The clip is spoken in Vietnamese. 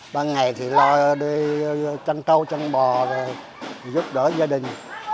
ban ngày thì lo đi chăn trâu chăn bò giúp đỡ gia đình